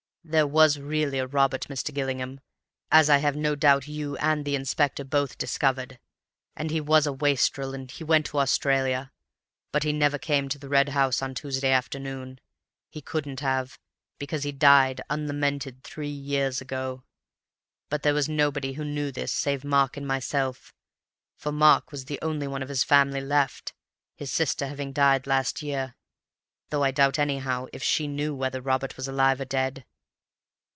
"There was really a Robert, Mr. Gillingham, as I have no doubt you and the Inspector both discovered. And he was a wastrel and he went to Australia. But he never came to the Red House on Tuesday afternoon. He couldn't have, because he died (unlamented) three years ago. But there was nobody who knew this, save Mark and myself, for Mark was the only one of the family left, his sister having died last year. Though I doubt, anyhow, if she knew whether Robert was alive or dead.